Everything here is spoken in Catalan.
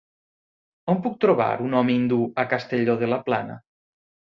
On puc trobar un home hindú a Castelló de la Plana?